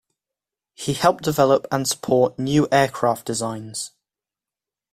He helped develop and support new aircraft designs.